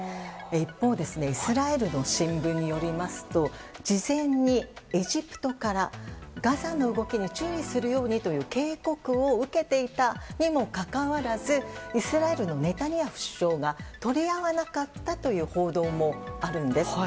一方でイスラエルの新聞によりますと事前にエジプトからガザの動きに注意するようにと警告を受けていたにもかかわらずイスラエルのネタニヤフ首相が取り合わなかったという報道もあるんです。